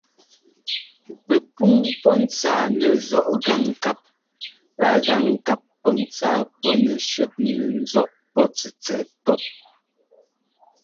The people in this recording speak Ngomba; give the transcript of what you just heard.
Pɛpúŋ pɔ́ ńtsáa nɛzɔ́ꞌ gaŋkáp lá gaŋkáp pɔ́ ntsáa pɔ́ nɛ shɔtnɛ ńzɔ́ꞌ pɔ́ tɛtsɛt pɔ́p.